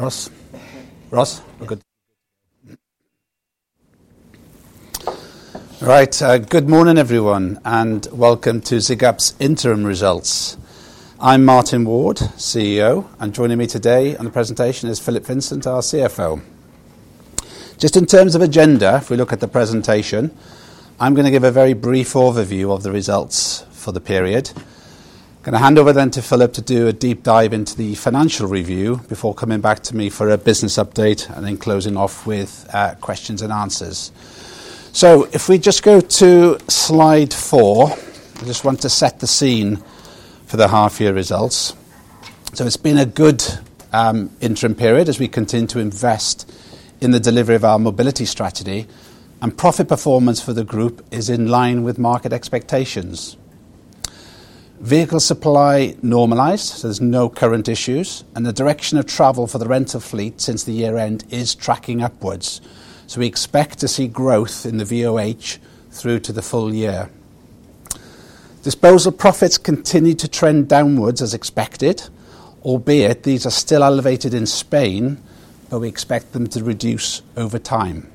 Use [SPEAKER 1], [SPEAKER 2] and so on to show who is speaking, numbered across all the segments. [SPEAKER 1] All right. Ross? Okay. Ross? Okay. Good morning, everyone, and welcome to Zigup's interim results. I'm Martin Ward, CEO, and joining me today on the presentation is Philip Vincent, our CFO. Just in terms of agenda, if we look at the presentation, I'm going to give a very brief overview of the results for the period. I'm going to hand over then to Philip to do a deep dive into the financial review before coming back to me for a business update and then closing off with questions and answers. So if we just go to slide four, I just want to set the scene for the half-year results. So it's been a good interim period as we continue to invest in the delivery of our mobility strategy, and profit performance for the group is in line with market expectations. Vehicle supply normalized, so there's no current issues, and the direction of travel for the rental fleet since the year-end is tracking upwards. So we expect to see growth in the VOH through to the full year. Disposal profits continue to trend downwards as expected, albeit these are still elevated in Spain, but we expect them to reduce over time.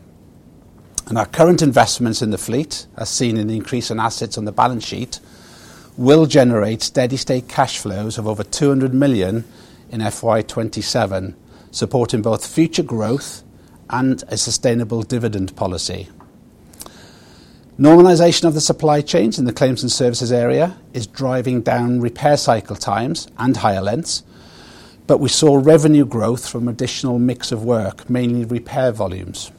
[SPEAKER 1] And our current investments in the fleet, as seen in the increase in assets on the balance sheet, will generate steady-state cash flows of over 200 million in FY27, supporting both future growth and a sustainable dividend policy. Normalization of the supply chains in the claims and services area is driving down repair cycle times and hire lengths, but we saw revenue growth from additional mix of work, mainly repair volumes.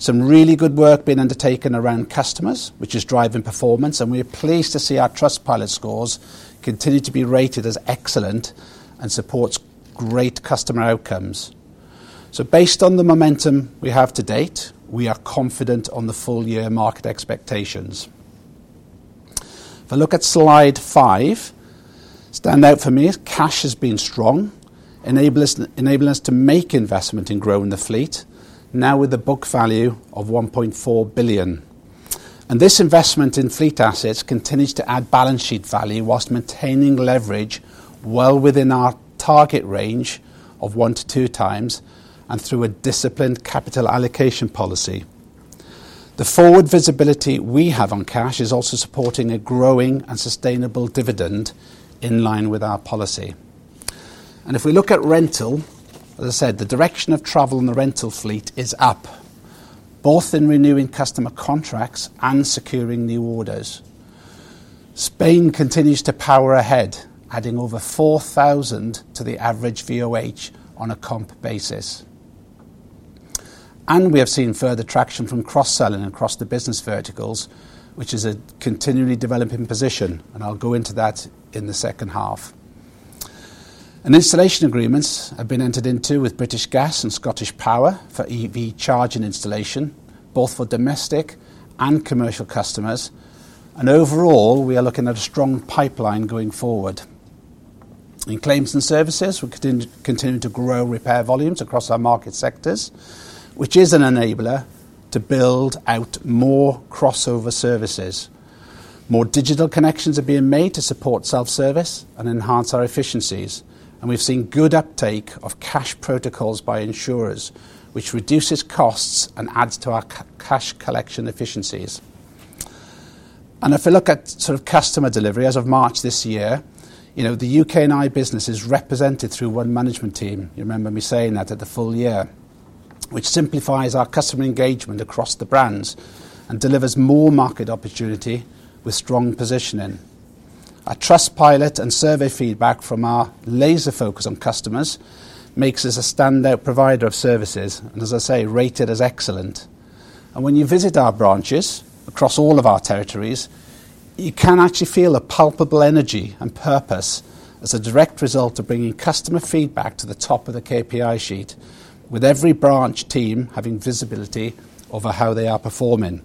[SPEAKER 1] Some really good work being undertaken around customers, which is driving performance, and we're pleased to see our Trustpilot scores continue to be rated as excellent and support great customer outcomes, so based on the momentum we have to date, we are confident on the full-year market expectations. If I look at slide five, stand out for me is cash has been strong, enabling us to make investment and grow in the fleet, now with a book value of 1.4 billion, and this investment in fleet assets continues to add balance sheet value while maintaining leverage well within our target range of one to two times and through a disciplined capital allocation policy. The forward visibility we have on cash is also supporting a growing and sustainable dividend in line with our policy. If we look at rental, as I said, the direction of travel in the rental fleet is up, both in renewing customer contracts and securing new orders. Spain continues to power ahead, adding over 4,000 to the average VOH on a comp basis. We have seen further traction from cross-selling across the business verticals, which is a continually developing position, and I'll go into that in the second half. Installation agreements have been entered into with British Gas and ScottishPower for EV charging installation, both for domestic and commercial customers. Overall, we are looking at a strong pipeline going forward. In claims and services, we continue to grow repair volumes across our market sectors, which is an enabler to build out more crossover services. More digital connections are being made to support self-service and enhance our efficiencies. And we've seen good uptake of cash protocols by insurers, which reduces costs and adds to our cash collection efficiencies. And if we look at sort of customer delivery as of March this year, the UK&I business is represented through one management team. You remember me saying that at the full year, which simplifies our customer engagement across the brands and delivers more market opportunity with strong positioning. Our Trustpilot and survey feedback from our laser focus on customers makes us a standout provider of services, and as I say, rated as excellent. And when you visit our branches across all of our territories, you can actually feel a palpable energy and purpose as a direct result of bringing customer feedback to the top of the KPI sheet, with every branch team having visibility over how they are performing.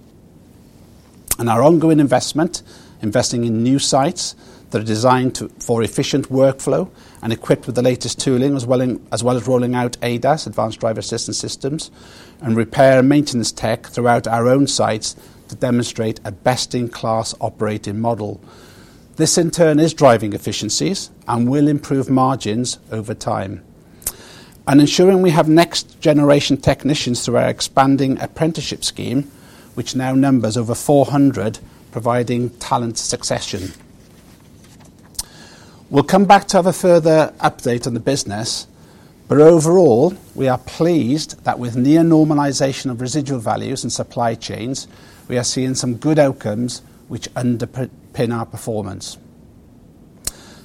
[SPEAKER 1] Our ongoing investment, investing in new sites that are designed for efficient workflow and equipped with the latest tooling, as well as rolling out ADAS, Advanced Driver Assistance Systems, and repair and maintenance tech throughout our own sites to demonstrate a best-in-class operating model. This, in turn, is driving efficiencies and will improve margins over time. Ensuring we have next-generation technicians through our expanding apprenticeship scheme, which now numbers over 400, providing talent succession. We'll come back to have a further update on the business, but overall, we are pleased that with near normalization of residual values and supply chains, we are seeing some good outcomes which underpin our performance.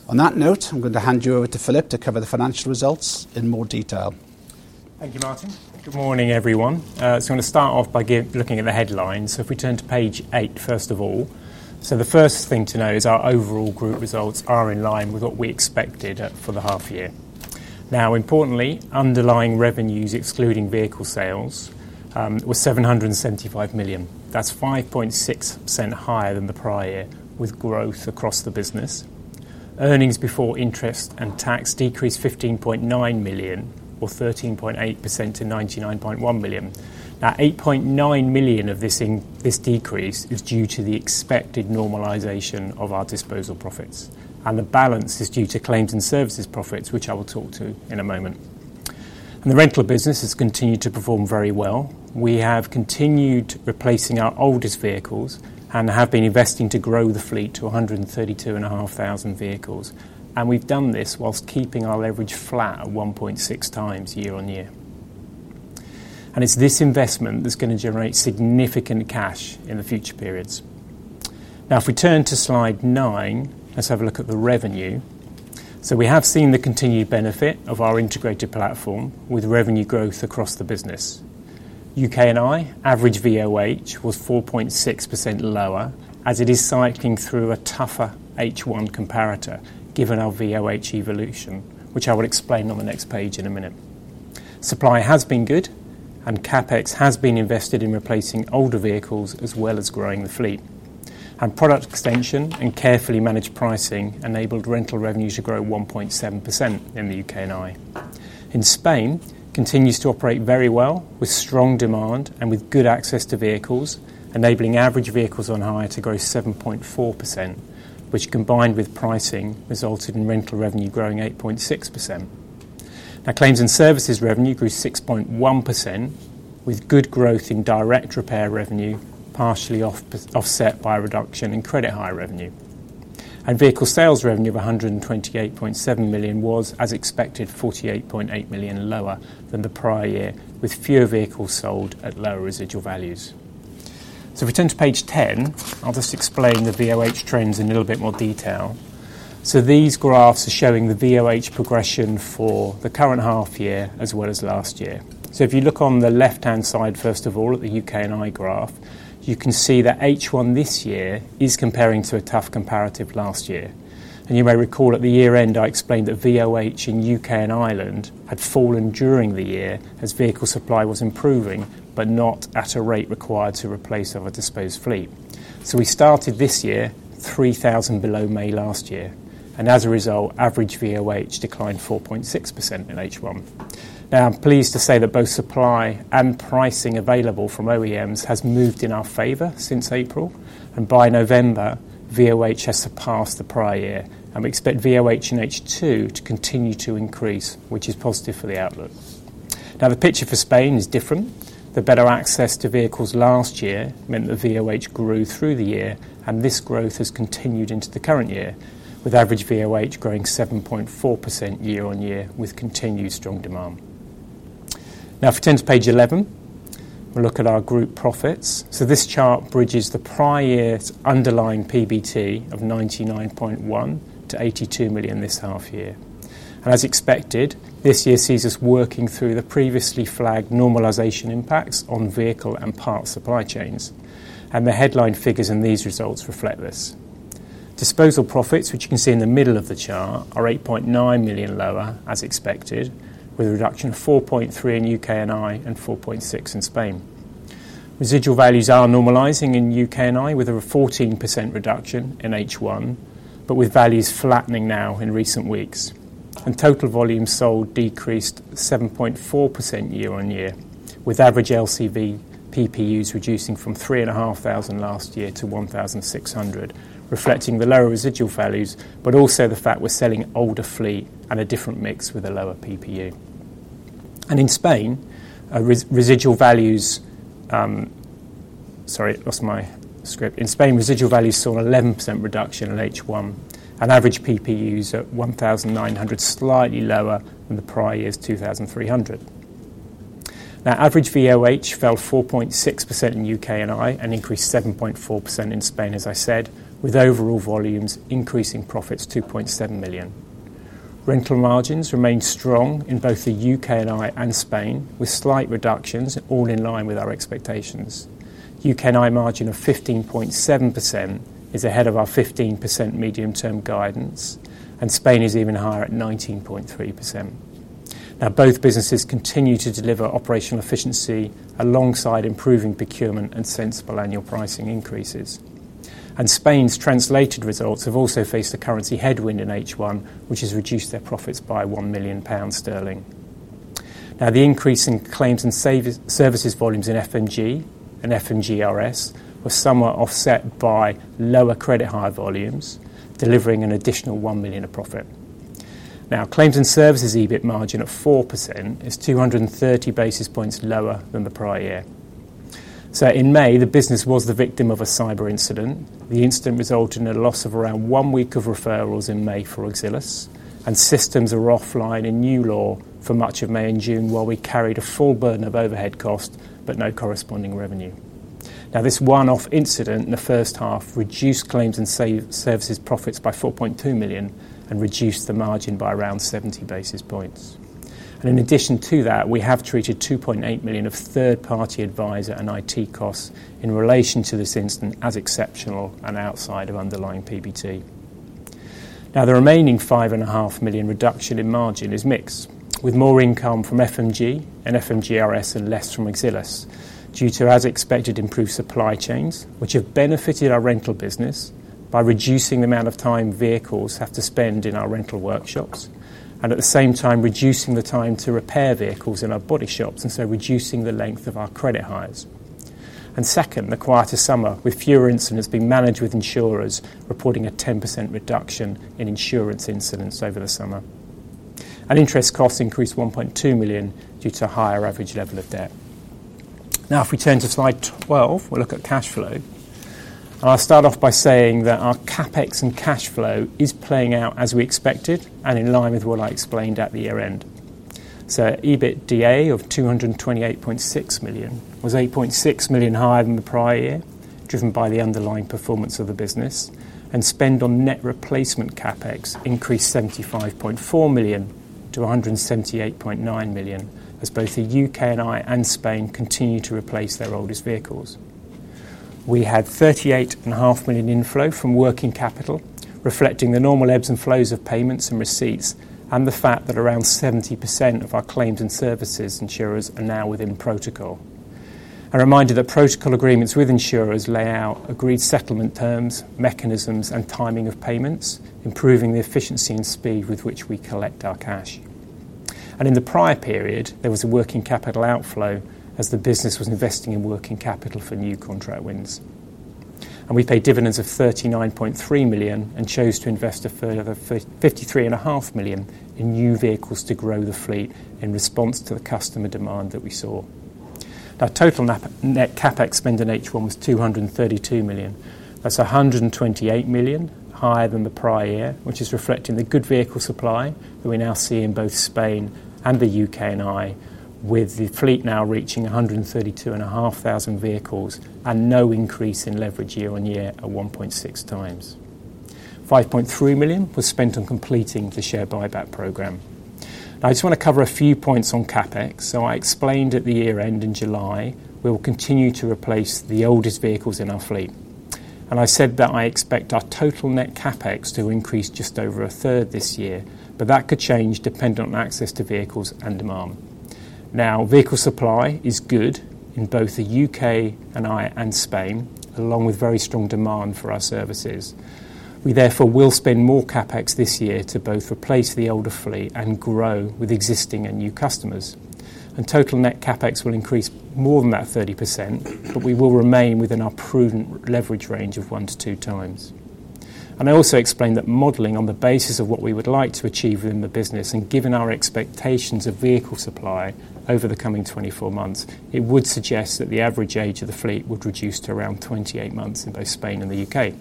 [SPEAKER 1] On that note, I'm going to hand you over to Philip to cover the financial results in more detail.
[SPEAKER 2] Thank you, Martin. Good morning, everyone. So I'm going to start off by looking at the headlines. So if we turn to page eight, first of all, so the first thing to note is our overall group results are in line with what we expected for the half-year. Now, importantly, underlying revenues, excluding vehicle sales, were 775 million. That's 5.6% higher than the prior year with growth across the business. Earnings before interest and tax decreased 15.9 million, or 13.8% to 99.1 million. Now, 8.9 million of this decrease is due to the expected normalization of our disposal profits. And the balance is due to claims and services profits, which I will talk to in a moment. And the rental business has continued to perform very well. We have continued replacing our oldest vehicles and have been investing to grow the fleet to 132,500 vehicles. We've done this whilst keeping our leverage flat at 1.6 times year on year. It's this investment that's going to generate significant cash in the future periods. Now, if we turn to slide nine, let's have a look at the revenue. We have seen the continued benefit of our integrated platform with revenue growth across the business. UK&I average VOH was 4.6% lower as it is cycling through a tougher H1 comparator given our VOH evolution, which I will explain on the next page in a minute. Supply has been good, and CapEx has been invested in replacing older vehicles as well as growing the fleet. Product extension and carefully managed pricing enabled rental revenues to grow 1.7% in the UK&I. In Spain, continues to operate very well with strong demand and with good access to vehicles, enabling average vehicles on hire to grow 7.4%, which combined with pricing resulted in rental revenue growing 8.6%. Now, claims and services revenue grew 6.1% with good growth in direct repair revenue, partially offset by a reduction in credit hire revenue. And vehicle sales revenue of 128.7 million was, as expected, 48.8 million lower than the prior year, with fewer vehicles sold at lower residual values. So if we turn to page 10, I'll just explain the VOH trends in a little bit more detail. So these graphs are showing the VOH progression for the current half-year as well as last year. So if you look on the left-hand side, first of all, at the UK&I graph, you can see that H1 this year is comparing to a tough comparative last year. You may recall at the year-end I explained that VOH in UK&Ireland had fallen during the year as vehicle supply was improving, but not at a rate required to replace our disposed fleet. We started this year 3,000 below May last year. As a result, average VOH declined 4.6% in H1. Now, I'm pleased to say that both supply and pricing available from OEMs has moved in our favor since April. By November, VOH has surpassed the prior year. We expect VOH in H2 to continue to increase, which is positive for the outlook. Now, the picture for Spain is different. The better access to vehicles last year meant that VOH grew through the year, and this growth has continued into the current year, with average VOH growing 7.4% year on year with continued strong demand. Now, if we turn to page 11, we'll look at our group profits, so this chart bridges the prior year's underlying PBT of 99.1 million to 82 million this half-year, and as expected, this year sees us working through the previously flagged normalization impacts on vehicle and parts supply chains, and the headline figures in these results reflect this. Disposal profits, which you can see in the middle of the chart, are 8.9 million lower as expected, with a reduction of 4.3 million in UK&I and 4.6 million in Spain. Residual values are normalizing in UK&I with a 14% reduction in H1, but with values flattening now in recent weeks. Total volume sold decreased 7.4% year on year, with average LCV PPUs reducing from 3,500 last year to 1,600, reflecting the lower residual values, but also the fact we're selling older fleet and a different mix with a lower PPU. In Spain, residual values, sorry, I lost my script, in Spain, residual values saw an 11% reduction in H1 and average PPUs at 1,900, slightly lower than the prior year's 2,300. Now, average VOH fell 4.6% in UK&Ireland and increased 7.4% in Spain, as I said, with overall volumes increasing profits £2.7 million. Rental margins remained strong in both the UK&Ireland and Spain, with slight reductions, all in line with our expectations. UK&Ireland margin of 15.7% is ahead of our 15% medium-term guidance, and Spain is even higher at 19.3%. Now, both businesses continue to deliver operational efficiency alongside improving procurement and sensible annual pricing increases. And Spain's translated results have also faced a currency headwind in H1, which has reduced their profits by 1 million sterling. Now, the increase in claims and services volumes in FMG and FMGRS was somewhat offset by lower credit hire volumes, delivering an additional 1 million of profit. Now, claims and services EBIT margin at 4% is 230 basis points lower than the prior year. So in May, the business was the victim of a cyber incident. The incident resulted in a loss of around one week of referrals in May for Auxilus, and systems were offline in NewLaw for much of May and June while we carried a full burden of overhead costs but no corresponding revenue. Now, this one-off incident in the first half reduced claims and services profits by 4.2 million and reduced the margin by around 70 basis points. And in addition to that, we have treated 2.8 million of third-party advisor and IT costs in relation to this incident as exceptional and outside of underlying PBT. Now, the remaining 5.5 million reduction in margin is mixed, with more income from FMG and FMGRS and less from Auxilus due to, as expected, improved supply chains, which have benefited our rental business by reducing the amount of time vehicles have to spend in our rental workshops, and at the same time reducing the time to repair vehicles in our body shops, and so reducing the length of our credit hires. And second, the quieter summer with fewer incidents being managed with insurers reporting a 10% reduction in insurance incidents over the summer. Interest costs increased 1.2 million due to a higher average level of debt. Now, if we turn to slide 12, we'll look at cash flow. I'll start off by saying that our CapEx and cash flow is playing out as we expected and in line with what I explained at the year-end. EBITDA of 228.6 million was 8.6 million higher than the prior year, driven by the underlying performance of the business, and spend on net replacement CapEx increased 75.4 million to 178.9 million as both the UK&Ireland and Spain continue to replace their oldest vehicles. We had 38.5 million inflow from working capital, reflecting the normal ebbs and flows of payments and receipts and the fact that around 70% of our claims and services insurers are now within protocol. A reminder that protocol agreements with insurers lay out agreed settlement terms, mechanisms, and timing of payments, improving the efficiency and speed with which we collect our cash. And in the prior period, there was a working capital outflow as the business was investing in working capital for new contract wins. And we paid dividends of 39.3 million and chose to invest a further 53.5 million in new vehicles to grow the fleet in response to the customer demand that we saw. Now, total net CapEx spend in H1 was 232 million. That's 128 million higher than the prior year, which is reflecting the good vehicle supply that we now see in both Spain and the UK, and with the fleet now reaching 132,500 vehicles and no increase in leverage year on year at 1.6 times. 5.3 million was spent on completing the share buyback program. Now, I just want to cover a few points on CapEx. So I explained at the year-end in July, we will continue to replace the oldest vehicles in our fleet. And I said that I expect our total net CapEx to increase just over a third this year, but that could change depending on access to vehicles and demand. Now, vehicle supply is good in both the U.K. and Ireland and Spain, along with very strong demand for our services. We, therefore, will spend more CapEx this year to both replace the older fleet and grow with existing and new customers. And total net CapEx will increase more than that 30%, but we will remain within our prudent leverage range of one to two times. I also explained that modeling on the basis of what we would like to achieve within the business and given our expectations of vehicle supply over the coming 24 months, it would suggest that the average age of the fleet would reduce to around 28 months in both Spain and the UK.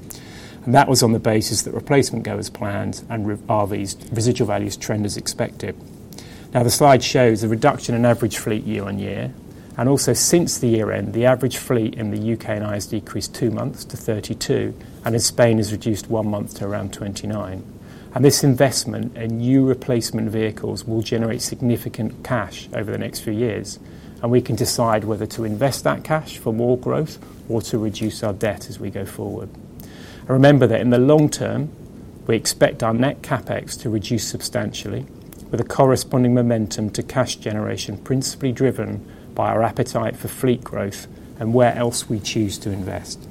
[SPEAKER 2] That was on the basis that replacements go as planned and these residual values trend as expected. Now, the slide shows a reduction in average fleet age year on year. Also, since the year-end, the average fleet age in the UK&I has decreased two months to 32, and in Spain, has reduced one month to around 29. This investment in new replacement vehicles will generate significant cash over the next few years. We can decide whether to invest that cash for more growth or to reduce our debt as we go forward. Remember that in the long term, we expect our net CapEx to reduce substantially with a corresponding momentum to cash generation principally driven by our appetite for fleet growth and where else we choose to invest.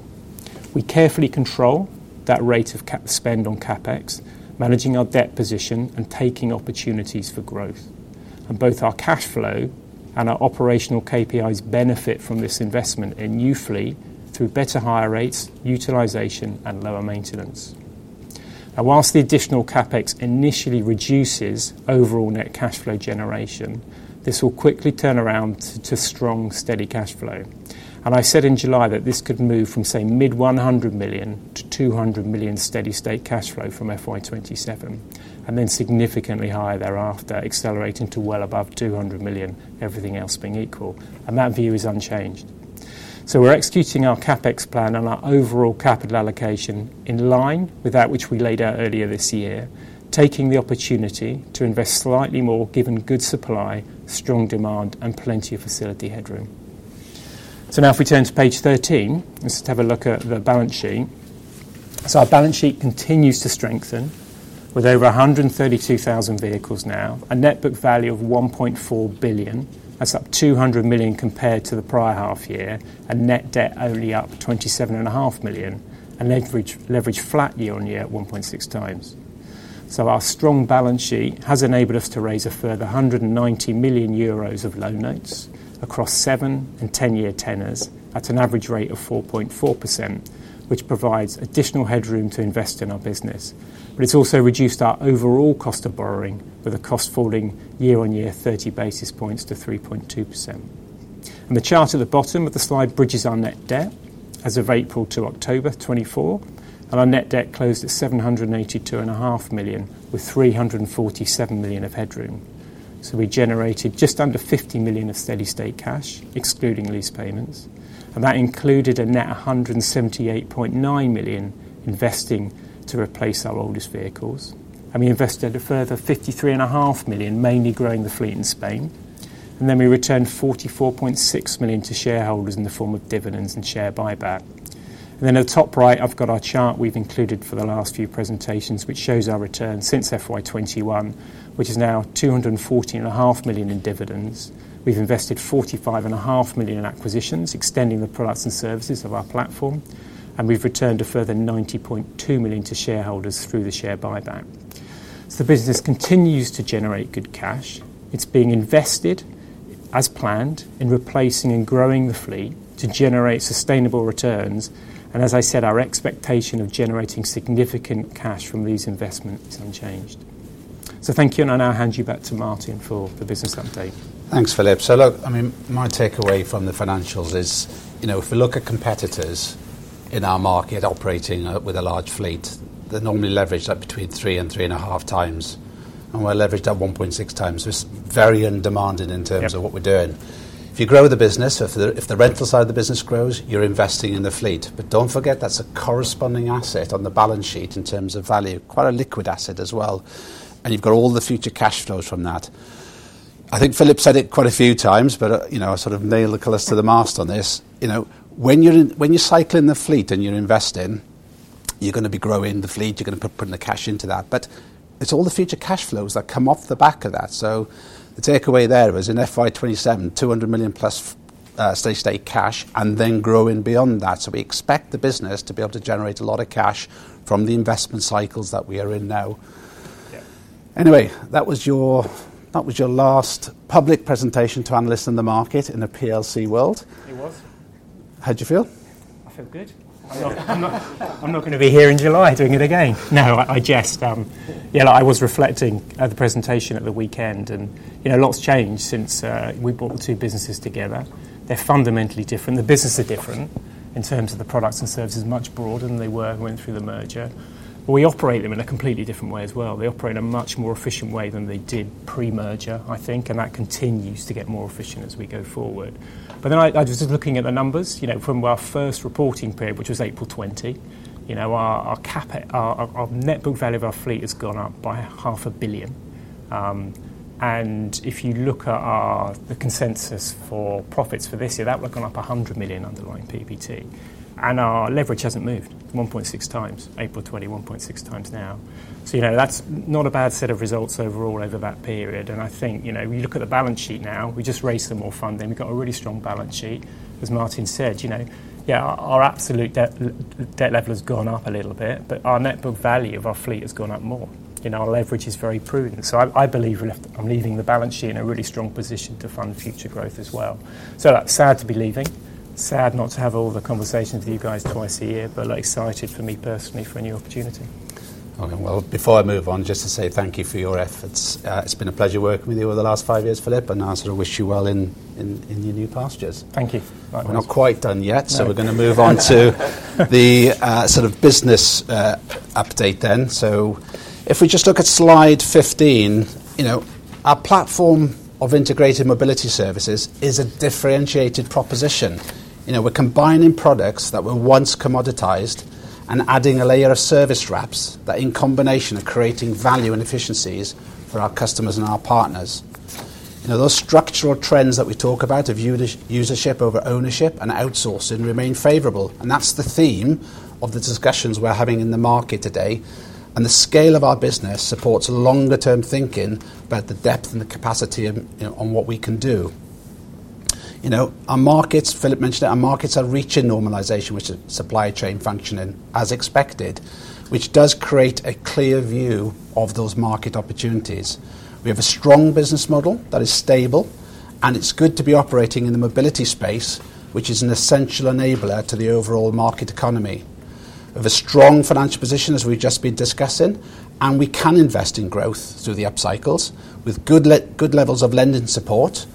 [SPEAKER 2] We carefully control that rate of spend on CapEx, managing our debt position and taking opportunities for growth. Both our cash flow and our operational KPIs benefit from this investment in new fleet through better hire rates, utilization, and lower maintenance. Now, whilst the additional CapEx initially reduces overall net cash flow generation, this will quickly turn around to strong, steady cash flow. I said in July that this could move from, say, GBP mid-100 million to 200 million steady state cash flow from FY27, and then significantly higher thereafter, accelerating to well above 200 million, everything else being equal. That view is unchanged. So we're executing our CapEx plan and our overall capital allocation in line with that which we laid out earlier this year, taking the opportunity to invest slightly more given good supply, strong demand, and plenty of facility headroom. So now, if we turn to page 13, let's just have a look at the balance sheet. So our balance sheet continues to strengthen with over 132,000 vehicles now, a net book value of 1.4 billion. That's up 200 million compared to the prior half-year, and net debt only up 27.5 million, and leverage flat year on year at 1.6 times. So our strong balance sheet has enabled us to raise a further 190 million euros of loan notes across seven and 10-year tenors at an average rate of 4.4%, which provides additional headroom to invest in our business. But it's also reduced our overall cost of borrowing with a cost falling year on year 30 basis points to 3.2%. And the chart at the bottom of the slide bridges our net debt as of April to October 2024, and our net debt closed at 782.5 million with 347 million of headroom. So we generated just under 50 million of steady state cash, excluding lease payments. And that included a net 178.9 million investing to replace our oldest vehicles. And we invested a further 53.5 million, mainly growing the fleet in Spain. And then we returned 44.6 million to shareholders in the form of dividends and share buyback. And then at the top right, I've got our chart we've included for the last few presentations, which shows our return since FY21, which is now 240.5 million in dividends. We've invested 45.5 million in acquisitions, extending the products and services of our platform. And we've returned a further 90.2 million to shareholders through the share buyback. So the business continues to generate good cash. It's being invested as planned in replacing and growing the fleet to generate sustainable returns. And as I said, our expectation of generating significant cash from these investments is unchanged. So thank you, and I now hand you back to Martin for the business update.
[SPEAKER 1] Thanks, Philip. So look, I mean, my takeaway from the financials is, you know, if we look at competitors in our market operating with a large fleet, they're normally leveraged at between three and three and a half times, and we're leveraged at 1.6 times. So it's very under-leveraged in terms of what we're doing. If you grow the business, if the rental side of the business grows, you're investing in the fleet. But don't forget, that's a corresponding asset on the balance sheet in terms of value, quite a liquid asset as well. And you've got all the future cash flows from that. I think Philip said it quite a few times, but, you know, I sort of nailed the colors to the mast on this. You know, when you're cycling the fleet and you're investing, you're going to be growing the fleet. You're going to put in the cash into that. But it's all the future cash flows that come off the back of that. So the takeaway there was in FY27, £200 million plus steady state cash, and then growing beyond that. So we expect the business to be able to generate a lot of cash from the investment cycles that we are in now. Anyway, that was your last public presentation to analysts in the market in the PLC world.
[SPEAKER 2] It was.
[SPEAKER 1] How'd you feel?
[SPEAKER 2] I felt good. I'm not going to be here in July doing it again. No, I just, yeah, I was reflecting at the presentation at the weekend, and, you know, lots changed since we brought the two businesses together. They're fundamentally different. The business is different in terms of the products and services, much broader than they were when we went through the merger. But we operate them in a completely different way as well. They operate in a much more efficient way than they did pre-merger, I think, and that continues to get more efficient as we go forward. But then I was just looking at the numbers, you know, from our first reporting period, which was April 2020. You know, our net book value of our fleet has gone up by £500 million. If you look at the consensus for profits for this year, that would have gone up 100 million underlying PBT. Our leverage hasn't moved. 1.6 times, April 2020, 1.6 times now. So, you know, that's not a bad set of results overall over that period. I think, you know, we look at the balance sheet now, we just raised some more funding. We've got a really strong balance sheet. As Martin said, you know, yeah, our absolute debt level has gone up a little bit, but our net book value of our fleet has gone up more. You know, our leverage is very prudent. So I believe I'm leaving the balance sheet in a really strong position to fund future growth as well. So sad to be leaving. Sad not to have all the conversations with you guys twice a year, but excited for me personally for a new opportunity.
[SPEAKER 1] Okay, well, before I move on, just to say thank you for your efforts. It's been a pleasure working with you over the last five years, Philip, and I sort of wish you well in your new pastures.
[SPEAKER 2] Thank you.
[SPEAKER 1] We're not quite done yet, so we're going to move on to the sort of business update then. So if we just look at slide 15, you know, our platform of integrated mobility services is a differentiated proposition. You know, we're combining products that were once commoditized and adding a layer of service wraps that, in combination, are creating value and efficiencies for our customers and our partners. You know, those structural trends that we talk about of usership over ownership and outsourcing remain favorable. And that's the theme of the discussions we're having in the market today. And the scale of our business supports longer-term thinking about the depth and the capacity on what we can do. You know, our markets, Philip mentioned it, our markets are reaching normalization, which is supply chain functioning as expected, which does create a clear view of those market opportunities. We have a strong business model that is stable, and it's good to be operating in the mobility space, which is an essential enabler to the overall market economy. We have a strong financial position, as we've just been discussing, and we can invest in growth through the upcycles, with good levels of lending support,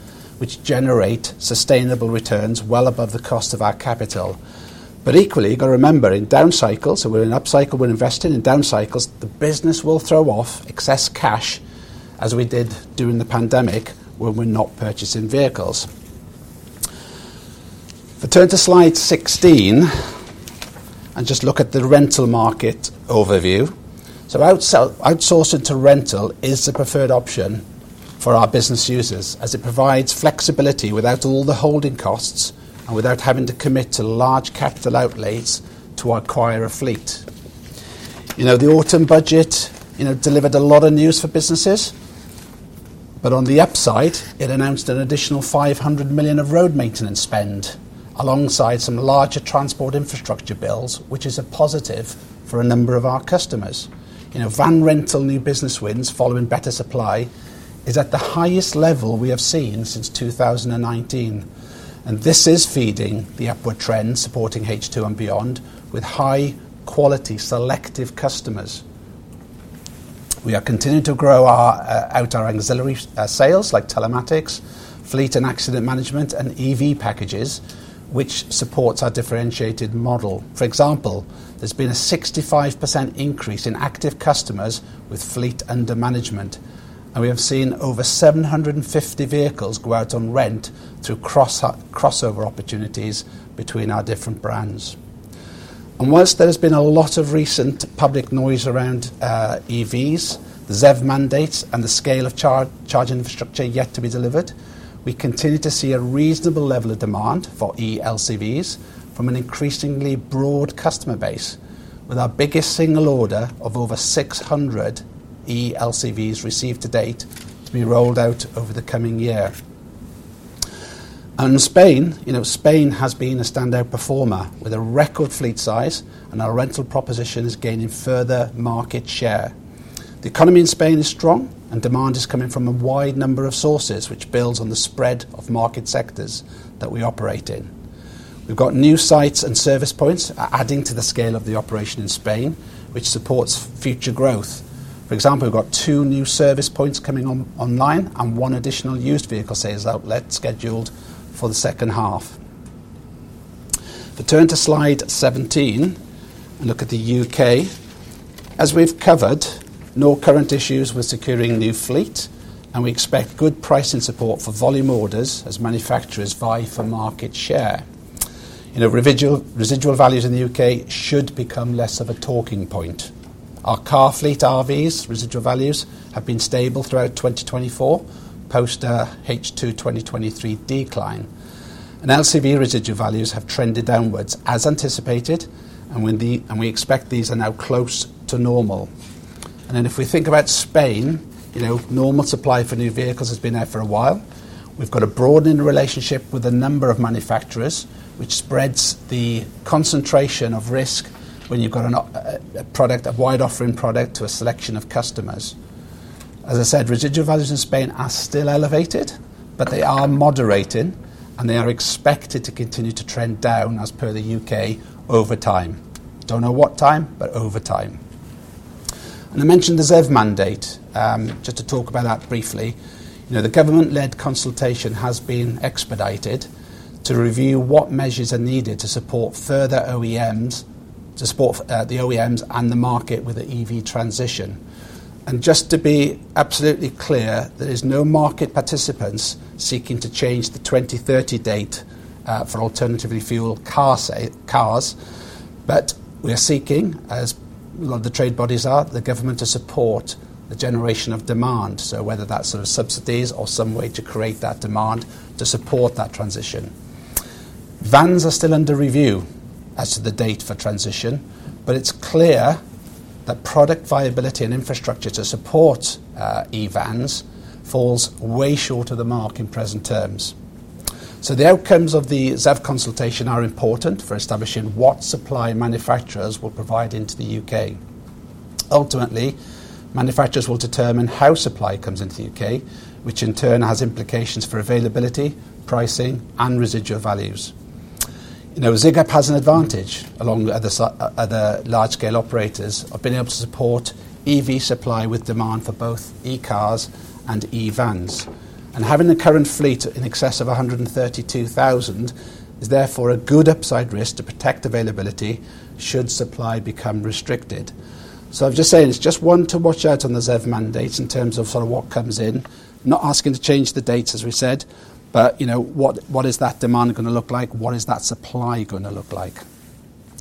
[SPEAKER 1] which generate sustainable returns well above the cost of our capital. But equally, you've got to remember, in down cycles, so we're in up cycle, we're investing. In down cycles, the business will throw off excess cash, as we did during the pandemic when we're not purchasing vehicles. If I turn to slide 16 and just look at the rental market overview. Outsourcing to rental is the preferred option for our business users, as it provides flexibility without all the holding costs and without having to commit to large capital outlays to acquire a fleet. You know, the autumn budget, you know, delivered a lot of news for businesses. But on the upside, it announced an additional 500 million of road maintenance spend alongside some larger transport infrastructure bills, which is a positive for a number of our customers. You know, van rental new business wins following better supply is at the highest level we have seen since 2019. And this is feeding the upward trend supporting H2 and beyond with high-quality selective customers. We are continuing to grow out our Auxilus sales like telematics, fleet and accident management, and EV packages, which supports our differentiated model. For example, there's been a 65% increase in active customers with fleet under management. We have seen over 750 vehicles go out on rent through crossover opportunities between our different brands. While there has been a lot of recent public noise around EVs, the ZEV mandates, and the scale of charge infrastructure yet to be delivered, we continue to see a reasonable level of demand for eLCVs from an increasingly broad customer base, with our biggest single order of over 600 eLCVs received to date to be rolled out over the coming year. In Spain, you know, Spain has been a standout performer with a record fleet size, and our rental proposition is gaining further market share. The economy in Spain is strong, and demand is coming from a wide number of sources, which builds on the spread of market sectors that we operate in. We've got new sites and service points adding to the scale of the operation in Spain, which supports future growth. For example, we've got two new service points coming online and one additional used vehicle sales outlet scheduled for the second half. If I turn to slide 17 and look at the UK, as we've covered, no current issues with securing new fleet, and we expect good pricing support for volume orders as manufacturers buy for market share. You know, residual values in the UK should become less of a talking point. Our car fleet RVs, residual values, have been stable throughout 2024 post H2 2023 decline, and LCV residual values have trended downwards as anticipated, and we expect these are now close to normal, and then if we think about Spain, you know, normal supply for new vehicles has been there for a while. We've got a broadening relationship with a number of manufacturers, which spreads the concentration of risk when you've got a wide offering product to a selection of customers. As I said, residual values in Spain are still elevated, but they are moderating, and they are expected to continue to trend down as per the UK over time. Don't know what time, but over time. I mentioned the ZEV mandate, just to talk about that briefly. You know, the government-led consultation has been expedited to review what measures are needed to support further OEMs, to support the OEMs and the market with the EV transition. Just to be absolutely clear, there are no market participants seeking to change the 2030 date for alternatively fueled cars, but we are seeking, as a lot of the trade bodies are, the government to support the generation of demand. So whether that's sort of subsidies or some way to create that demand to support that transition. Vans are still under review as to the date for transition, but it's clear that product viability and infrastructure to support eVans falls way short of the mark in present terms. So the outcomes of the ZEV consultation are important for establishing what supply manufacturers will provide into the U.K. Ultimately, manufacturers will determine how supply comes into the U.K., which in turn has implications for availability, pricing, and residual values. You know, Zigup has an advantage along with other large-scale operators of being able to support EV supply with demand for both eCars and eVans. And having the current fleet in excess of 132,000 is therefore a good upside risk to protect availability should supply become restricted. So I'm just saying it's just one to watch out on the ZEV mandates in terms of sort of what comes in. Not asking to change the dates, as we said, but, you know, what is that demand going to look like? What is that supply going to look like?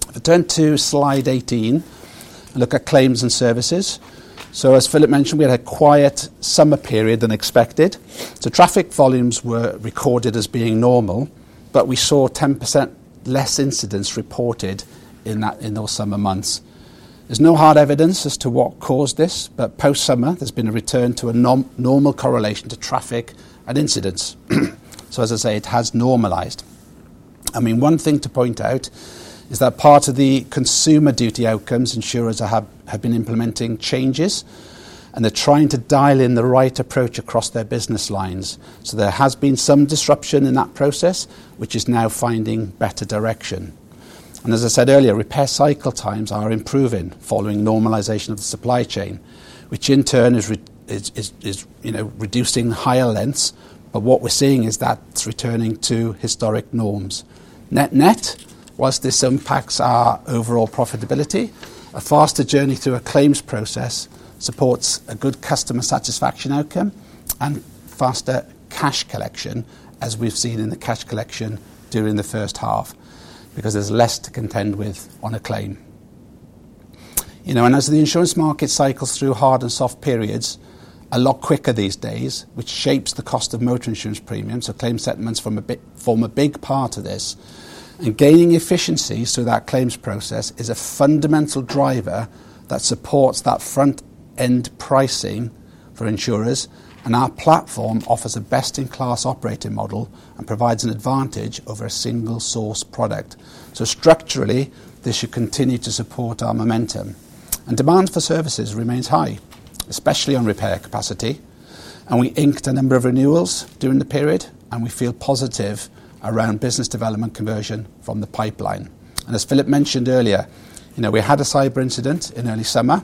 [SPEAKER 1] If I turn to slide 18 and look at claims and services. So as Philip mentioned, we had a quiet summer period than expected. So traffic volumes were recorded as being normal, but we saw 10% less incidents reported in those summer months. There's no hard evidence as to what caused this, but post-summer, there's been a return to a normal correlation to traffic and incidents. So as I say, it has normalized. I mean, one thing to point out is that part of the Consumer Duty outcomes, insurers have been implementing changes, and they're trying to dial in the right approach across their business lines. So there has been some disruption in that process, which is now finding better direction. And as I said earlier, repair cycle times are improving following normalization of the supply chain, which in turn is, you know, reducing higher lengths. But what we're seeing is that's returning to historic norms. Net net, while this impacts our overall profitability, a faster journey through a claims process supports a good customer satisfaction outcome and faster cash collection, as we've seen in the cash collection during the first half, because there's less to contend with on a claim. You know, and as the insurance market cycles through hard and soft periods a lot quicker these days, which shapes the cost of motor insurance premiums, so claim settlements form a big part of this. And gaining efficiency through that claims process is a fundamental driver that supports that front-end pricing for insurers. And our platform offers a best-in-class operating model and provides an advantage over a single-source product. So structurally, this should continue to support our momentum. And demand for services remains high, especially on repair capacity. And we inked a number of renewals during the period, and we feel positive around business development conversion from the pipeline. And as Philip mentioned earlier, you know, we had a cyber incident in early summer,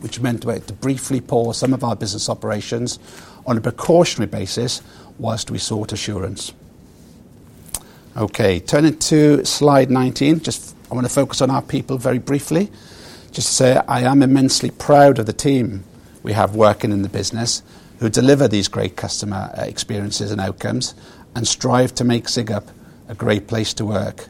[SPEAKER 1] which meant we had to briefly pause some of our business operations on a precautionary basis while we sought assurance. Okay, turning to slide 19, just I want to focus on our people very briefly. Just to say, I am immensely proud of the team we have working in the business who deliver these great customer experiences and outcomes and strive to make Zigup a great place to work.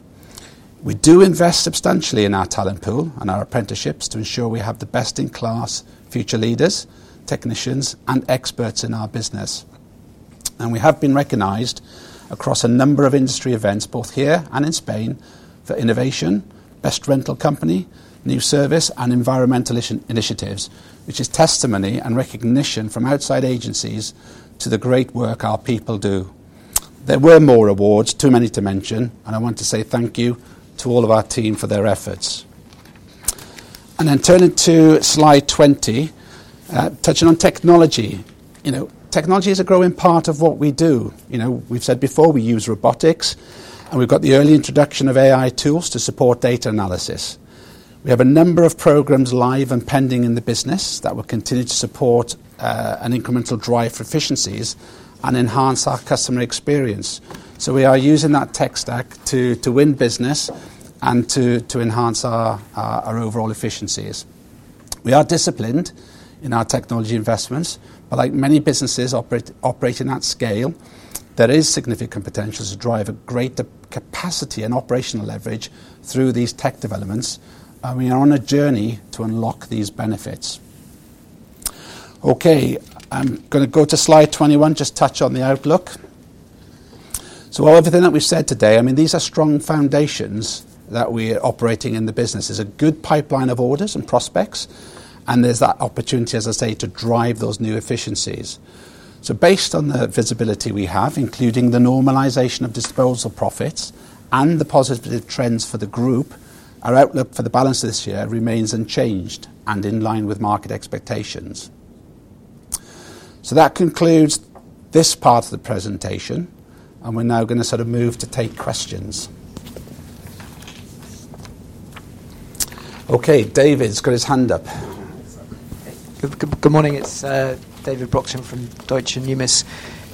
[SPEAKER 1] We do invest substantially in our talent pool and our apprenticeships to ensure we have the best-in-class future leaders, technicians, and experts in our business. And we have been recognized across a number of industry events, both here and in Spain, for innovation, best rental company, new service, and environmental initiatives, which is testimony and recognition from outside agencies to the great work our people do. There were more awards, too many to mention, and I want to say thank you to all of our team for their efforts. And then turning to slide 20, touching on technology. You know, technology is a growing part of what we do. You know, we've said before we use robotics, and we've got the early introduction of AI tools to support data analysis. We have a number of programs live and pending in the business that will continue to support an incremental drive for efficiencies and enhance our customer experience. So we are using that tech stack to win business and to enhance our overall efficiencies. We are disciplined in our technology investments, but like many businesses operating at scale, there is significant potential to drive a greater capacity and operational leverage through these tech developments, and we are on a journey to unlock these benefits. Okay, I'm going to go to slide 21, just touch on the outlook, so all everything that we've said today, I mean, these are strong foundations that we are operating in the business. There's a good pipeline of orders and prospects, and there's that opportunity, as I say, to drive those new efficiencies. So based on the visibility we have, including the normalization of disposal profits and the positive trends for the group, our outlook for the balance of this year remains unchanged and in line with market expectations. So that concludes this part of the presentation, and we're now going to sort of move to take questions. Okay, David's got his hand up.
[SPEAKER 3] Good morning, it's David Brockton from Deutsche Numis.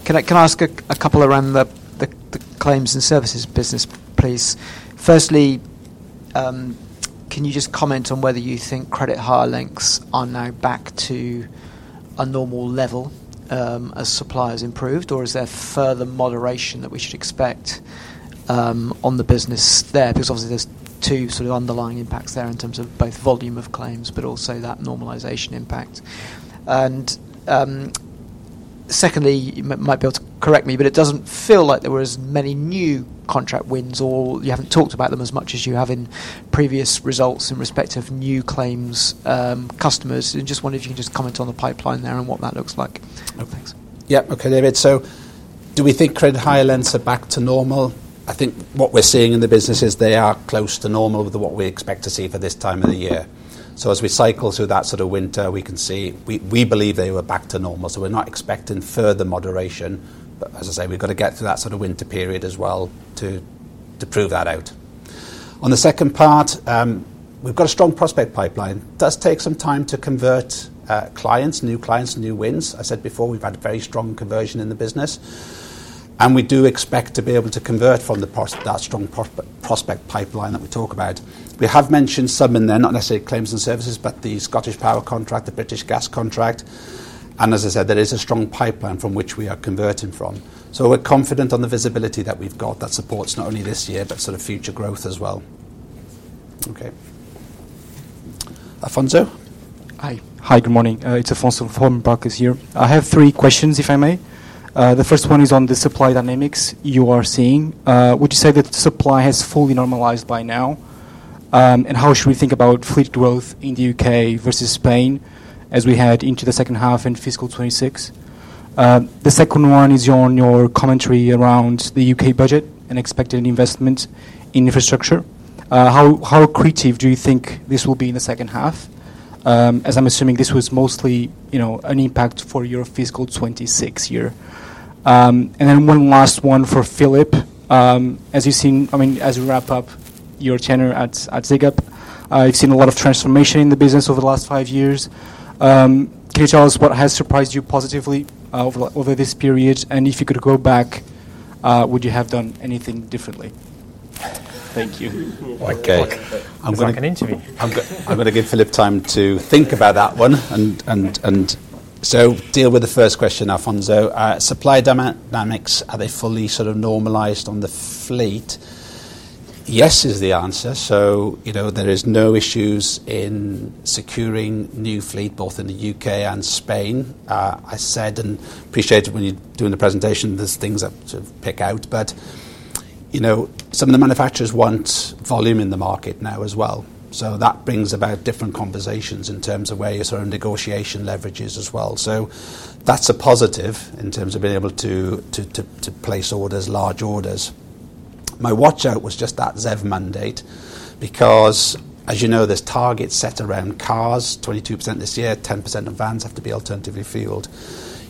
[SPEAKER 3] Can I ask a couple around the claims and services business, please? Firstly, can you just comment on whether you think credit hire lengths are now back to a normal level as suppliers improved, or is there further moderation that we should expect on the business there? Because obviously there's two sort of underlying impacts there in terms of both volume of claims, but also that normalization impact. And secondly, you might be able to correct me, but it doesn't feel like there were as many new contract wins, or you haven't talked about them as much as you have in previous results in respect of new claims customers. And just wonder if you can just comment on the pipeline there and what that looks like.
[SPEAKER 1] Yeah, okay, David. So do we think credit hire lengths are back to normal? I think what we're seeing in the business is they are close to normal with what we expect to see for this time of the year. So as we cycle through that sort of winter, we can see we believe they were back to normal. So we're not expecting further moderation. But as I say, we've got to get through that sort of winter period as well to prove that out. On the second part, we've got a strong prospect pipeline. Does take some time to convert clients, new clients, new wins. I said before we've had very strong conversion in the business, and we do expect to be able to convert from that strong prospect pipeline that we talk about. We have mentioned some in there, not necessarily claims and services, but the ScottishPower contract, the British Gas contract. And as I said, there is a strong pipeline from which we are converting from. So we're confident on the visibility that we've got that supports not only this year, but sort of future growth as well. Okay. Alfonso?
[SPEAKER 4] Hi. Hi, good morning. It's Alfonso from Barclays here. I have three questions, if I may. The first one is on the supply dynamics you are seeing. Would you say that supply has fully normalized by now? And how should we think about fleet growth in the U.K. versus Spain as we head into the second half in fiscal 2026? The second one is on your commentary around the U.K. budget and expected investment in infrastructure. How creative do you think this will be in the second half? As I'm assuming this was mostly, you know, an impact for your fiscal 2026 year. And then one last one for Philip. As you've seen, I mean, as we wrap up your tenure at Zigup, you've seen a lot of transformation in the business over the last five years. Can you tell us what has surprised you positively over this period? And if you could go back, would you have done anything differently? Thank you.
[SPEAKER 1] Okay. I'm going to give Philip time to think about that one and so deal with the first question, Alfonso. Supply dynamics, are they fully sort of normalized on the fleet? Yes is the answer. You know, there are no issues in securing new fleet, both in the UK and Spain. I said and appreciated when you're doing the presentation, there's things that sort of pick out. You know, some of the manufacturers want volume in the market now as well. That brings about different conversations in terms of where your sort of negotiation leverages as well. That's a positive in terms of being able to place orders, large orders. My watch out was just that ZEV mandate because, as you know, there's targets set around cars, 22% this year, 10% of vans have to be alternatively fueled.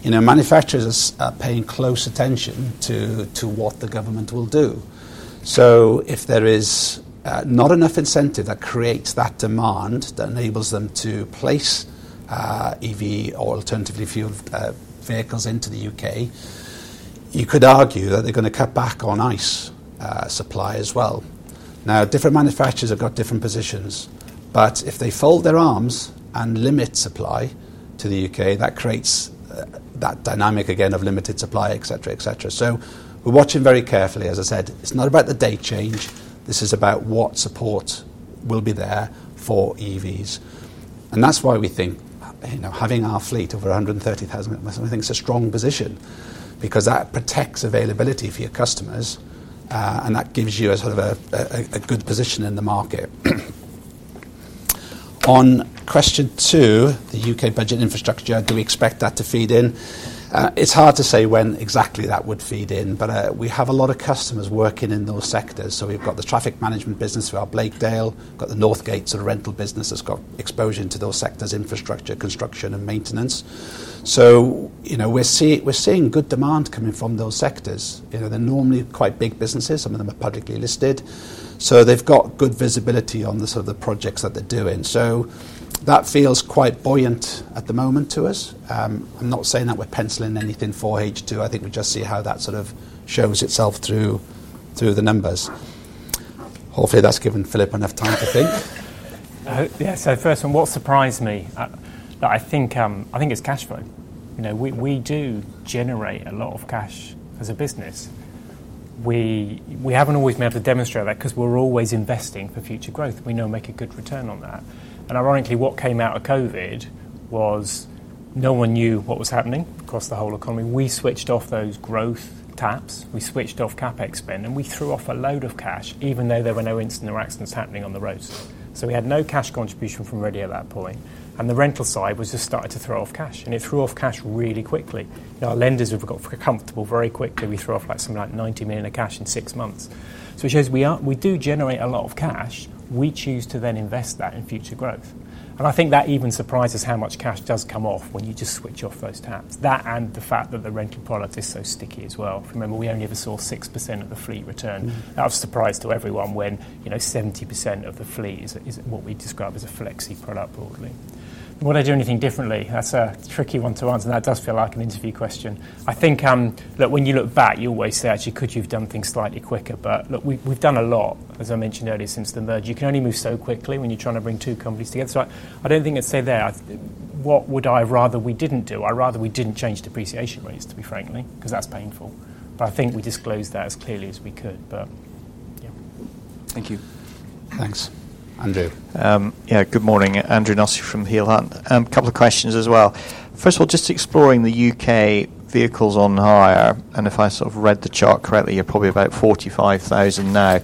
[SPEAKER 1] You know, manufacturers are paying close attention to what the government will do. So if there is not enough incentive that creates that demand that enables them to place EV or alternatively fueled vehicles into the U.K., you could argue that they're going to cut back on ICE supply as well. Now, different manufacturers have got different positions. But if they fold their arms and limit supply to the U.K., that creates that dynamic again of limited supply, et cetera, et cetera. So we're watching very carefully, as I said. It's not about the date change. This is about what support will be there for EVs, and that's why we think, you know, having our fleet over 130,000, I think it's a strong position because that protects availability for your customers, and that gives you a sort of a good position in the market. On question two, the UK budget infrastructure, do we expect that to feed in? It's hard to say when exactly that would feed in, but we have a lot of customers working in those sectors. So we've got the traffic management business, we've got Blakedale, we've got the Northgate sort of rental business that's got exposure into those sectors, infrastructure, construction, and maintenance. So, you know, we're seeing good demand coming from those sectors. You know, they're normally quite big businesses. Some of them are publicly listed. So they've got good visibility on the sort of the projects that they're doing. So that feels quite buoyant at the moment to us. I'm not saying that we're penciling anything for H2. I think we just see how that sort of shows itself through the numbers. Hopefully that's given Philip enough time to think.
[SPEAKER 2] Yeah, so first one, what surprised me? I think it's cash flow. You know, we do generate a lot of cash as a business. We haven't always been able to demonstrate that because we're always investing for future growth. We know we make a good return on that. And ironically, what came out of COVID was no one knew what was happening across the whole economy. We switched off those growth taps. We switched off CapEx spend, and we threw off a load of cash, even though there were no incidents or accidents happening on the roads. So we had no cash contribution from Redde at that point. And the rental side was just starting to throw off cash. And it threw off cash really quickly. Our lenders have got comfortable very quickly. We threw off like something like 90 million in cash in six months. So it shows we do generate a lot of cash. We choose to then invest that in future growth, and I think that even surprises how much cash does come off when you just switch off those taps. That and the fact that the rental product is so sticky as well. Remember, we only ever saw 6% of the fleet return. That was a surprise to everyone when, you know, 70% of the fleet is what we describe as a Flexi product broadly. Would I do anything differently? That's a tricky one to answer. That does feel like an interview question. I think, look, when you look back, you always say, actually, could you have done things slightly quicker, but look, we've done a lot, as I mentioned earlier, since the merge. You can only move so quickly when you're trying to bring two companies together, so I don't think it's say there. What would I rather we didn't do? I'd rather we didn't change depreciation rates, to be frankly, because that's painful. But I think we disclosed that as clearly as we could. But yeah.
[SPEAKER 4] Thank you.
[SPEAKER 5] Thanks. Andrew. Yeah, good morning. Andrew Nussey from Peel Hunt. A couple of questions as well. First of all, just exploring the U.K. vehicles on hire, and if I sort of read the chart correctly, you're probably about 45,000 now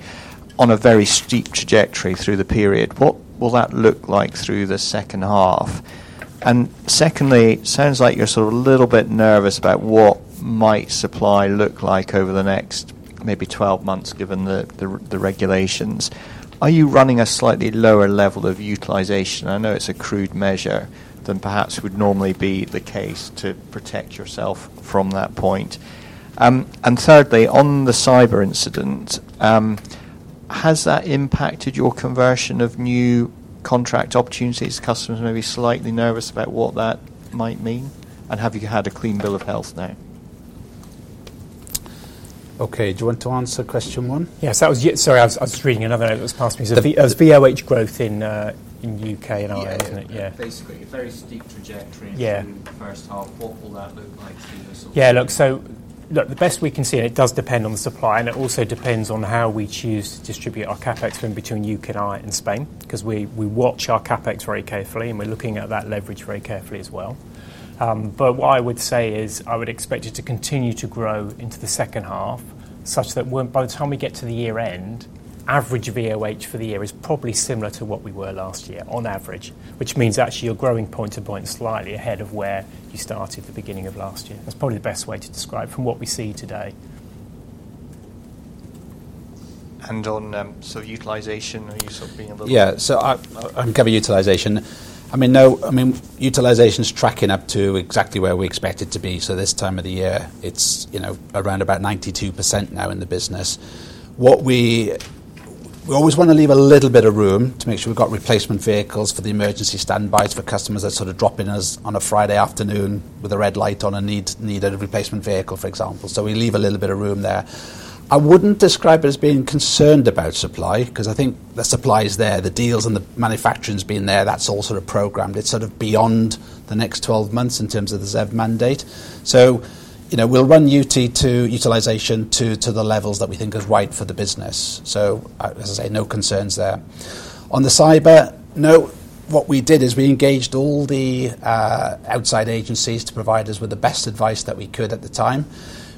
[SPEAKER 5] on a very steep trajectory through the period. What will that look like through the second half? And secondly, it sounds like you're sort of a little bit nervous about what might supply look like over the next maybe 12 months, given the regulations. Are you running a slightly lower level of utilization? I know it's a crude measure than perhaps would normally be the case to protect yourself from that point. Thirdly, on the cyber incident, has that impacted your conversion of new contract opportunities? Customers may be slightly nervous about what that might mean. Have you had a clean bill of health now? Okay, do you want to answer question one?
[SPEAKER 2] Yes, that was you. Sorry, I was reading another note that was passed to me. There's VOH growth in UK&Ireland, isn't it? Yeah.
[SPEAKER 5] Basically, a very steep trajectory in the first half. What will that look like to you?
[SPEAKER 2] Yeah, look, so look, the best we can see, and it does depend on the supply, and it also depends on how we choose to distribute our CapEx between UK&Ireland and Spain, because we watch our CapEx very carefully, and we're looking at that leverage very carefully as well. What I would say is I would expect it to continue to grow into the second half, such that by the time we get to the year-end, average VOH for the year is probably similar to what we were last year, on average, which means actually you're growing point to point slightly ahead of where you started the beginning of last year. That's probably the best way to describe it from what we see today.
[SPEAKER 6] On sort of utilization, are you sort of being able to?
[SPEAKER 1] Yeah, so I'm covering utilization. I mean, no, I mean, utilization is tracking up to exactly where we expect it to be. This time of the year, it's, you know, around about 92% now in the business. What we always want to leave a little bit of room to make sure we've got replacement vehicles for the emergency standbys for customers that sort of drop in on a Friday afternoon with a red light on and need a replacement vehicle, for example. So we leave a little bit of room there. I wouldn't describe it as being concerned about supply, because I think the supply is there. The deals and the manufacturing has been there. That's all sort of programmed. It's sort of beyond the next 12 months in terms of the ZEV mandate. So, you know, we'll run utilization to the levels that we think are right for the business. So, as I say, no concerns there. On the cyber, no. What we did is we engaged all the outside agencies to provide us with the best advice that we could at the time.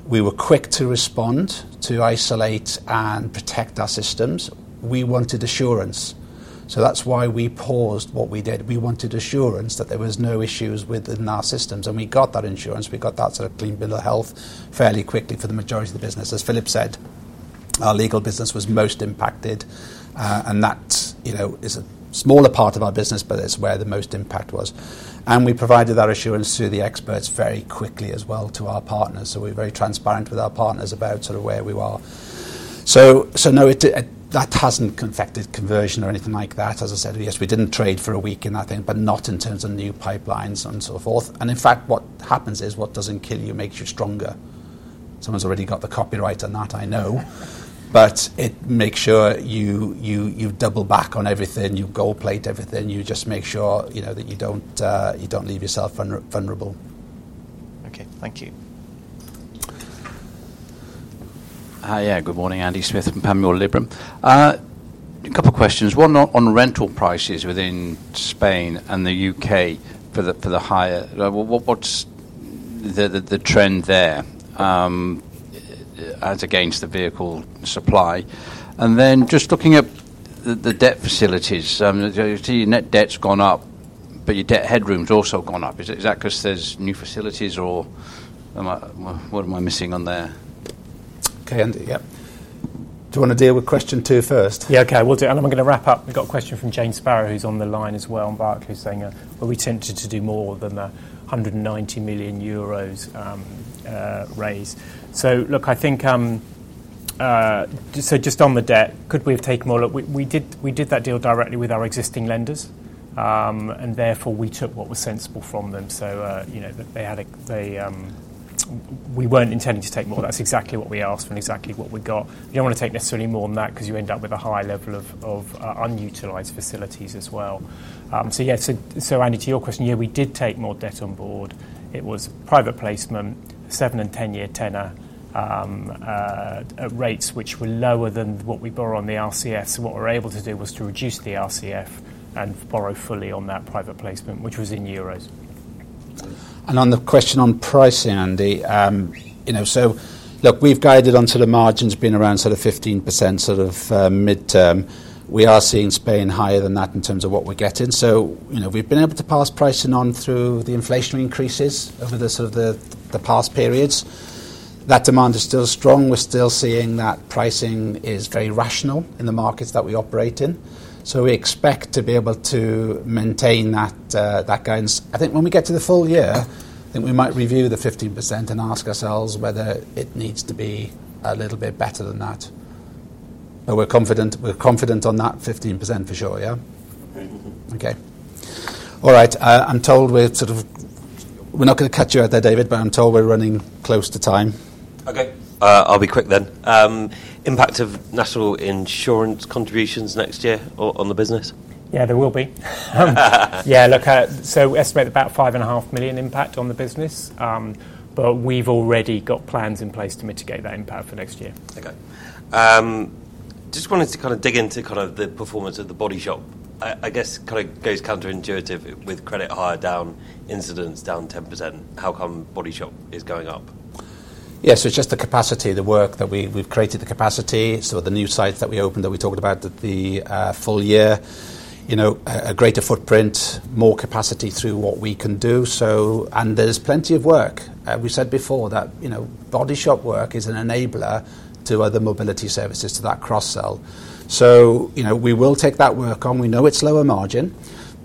[SPEAKER 1] We were quick to respond, to isolate and protect our systems. We wanted assurance. So that's why we paused what we did. We wanted assurance that there were no issues within our systems. And we got that assurance. We got that sort of clean bill of health fairly quickly for the majority of the business. As Philip said, our legal business was most impacted. And that, you know, is a smaller part of our business, but it's where the most impact was. And we provided that assurance to the experts very quickly as well to our partners. So we're very transparent with our partners about sort of where we are. So, no, that hasn't affected conversion or anything like that. As I said, yes, we didn't trade for a week in that thing, but not in terms of new pipelines and so forth. And in fact, what happens is what doesn't kill you makes you stronger. Someone's already got the copyright on that, I know. But it makes sure you double back on everything. You gold plate everything. You just make sure, you know, that you don't leave yourself vulnerable.
[SPEAKER 5] Okay, thank you.
[SPEAKER 6] Hi, yeah, good morning. Andy Smith from Panmure Liberum. A couple of questions. One on rental prices within Spain and the UK for the hire. What's the trend there against the vehicle supply? And then just looking at the debt facilities. So you see net debt's gone up, but your debt headroom's also gone up. Is that because there's new facilities or what am I missing on there?
[SPEAKER 2] Okay, Andy, yeah.
[SPEAKER 1] Do you want to deal with question two first?
[SPEAKER 2] Yeah, okay, we'll do it. And I'm going to wrap up. We've got a question from James Barrow, who's on the line as well, on Barclays, saying, were we tempted to do more than the 190 million euros raise? So, look, I think, so just on the debt, could we have taken more? Look, we did that deal directly with our existing lenders, and therefore we took what was sensible from them. So, you know, we weren't intending to take more. That's exactly what we asked and exactly what we got. You don't want to take necessarily more than that because you end up with a high level of unutilized facilities as well. So, yeah, so, Andy, to your question, yeah, we did take more debt on board. It was private placement, seven and ten-year tenor rates, which were lower than what we borrow on the RCF. What we were able to do was to reduce the RCF and borrow fully on that private placement, which was in euros.
[SPEAKER 1] On the question on pricing, Andy, you know, so, look, we've guided on to the margins being around sort of 15% sort of midterm. We are seeing Spain higher than that in terms of what we're getting. You know, we've been able to pass pricing on through the inflationary increases over the sort of past periods. That demand is still strong. We're still seeing that pricing is very rational in the markets that we operate in. We expect to be able to maintain that guidance. I think when we get to the full year, I think we might review the 15% and ask ourselves whether it needs to be a little bit better than that. But we're confident on that 15% for sure, yeah?
[SPEAKER 6] Okay. Okay.
[SPEAKER 1] All right. I'm told we're sort of, we're not going to cut you out there, David, but I'm told we're running close to time.
[SPEAKER 3] Okay. I'll be quick then. Impact of National Insurance contributions next year on the business?
[SPEAKER 2] Yeah, there will be. Yeah, look, so we estimate about 5.5 million impact on the business, but we've already got plans in place to mitigate that impact for next year.
[SPEAKER 7] Okay. Just wanted to kind of dig into kind of the performance of the body shop. I guess kind of goes counterintuitive with credit hire down, incidents down 10%. How come body shop is going up?
[SPEAKER 1] Yeah, so it's just the capacity, the work that we've created, the capacity, sort of the new sites that we opened that we talked about the full year, you know, a greater footprint, more capacity through what we can do. So, and there's plenty of work. We said before that, you know, body shop work is an enabler to other mobility services, that cross-sell. So, you know, we will take that work on. We know it's lower margin,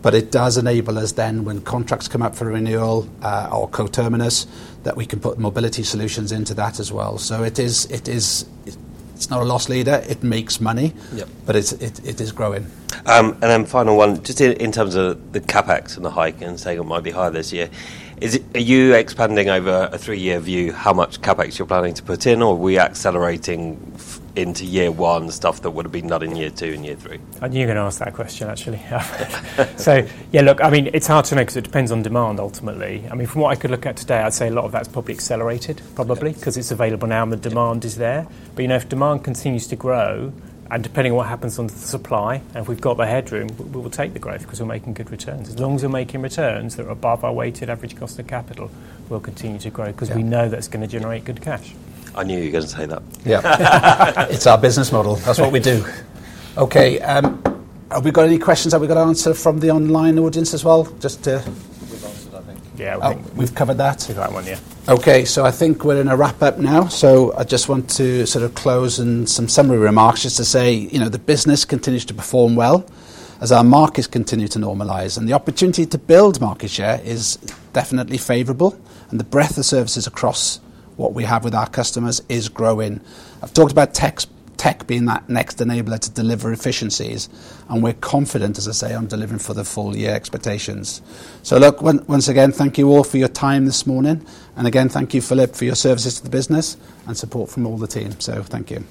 [SPEAKER 1] but it does enable us then when contracts come up for renewal or coterminous that we can put mobility solutions into that as well. So it is, it's not a loss leader. It makes money, but it is growing.
[SPEAKER 7] And then final one, just in terms of the CapEx and the hike and saying it might be higher this year, are you expanding over a three-year view how much CapEx you're planning to put in, or are we accelerating into year one stuff that would have been done in year two and year three?
[SPEAKER 2] I knew you were going to ask that question, actually. So, yeah, look, I mean, it's hard to know because it depends on demand ultimately. I mean, from what I could look at today, I'd say a lot of that's probably accelerated, probably, because it's available now and the demand is there. But, you know, if demand continues to grow, and depending on what happens on the supply, and if we've got the headroom, we will take the growth because we're making good returns. As long as we're making returns that are above our weighted average cost of capital, we'll continue to grow because we know that's going to generate good cash.
[SPEAKER 7] I knew you were going to say that.
[SPEAKER 2] Yeah. It's our business model. That's what we do.
[SPEAKER 1] Okay. Have we got any questions that we've got to answer from the online audience as well? Just to...
[SPEAKER 2] We've answered, I think.
[SPEAKER 1] Yeah, we've covered that.
[SPEAKER 2] We've got one, yeah.
[SPEAKER 1] Okay, so I think we're in a wrap-up now. So I just want to sort of close in some summary remarks just to say, you know, the business continues to perform well as our markets continue to normalize. And the opportunity to build market share is definitely favorable. And the breadth of services across what we have with our customers is growing. I've talked about tech being that next enabler to deliver efficiencies. And we're confident, as I say, on delivering for the full year expectations. So, look, once again, thank you all for your time this morning. And again, thank you, Philip, for your services to the business and support from all the team. So, thank you.